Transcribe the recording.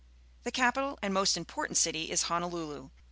The capital and most important city is Honolulu.